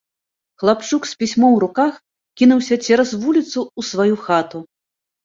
Хлапчук з пісьмом у руках кінуўся цераз вуліцу ў сваю хату.